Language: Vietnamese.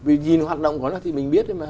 vì gì nó hoạt động của nó thì mình biết thôi mà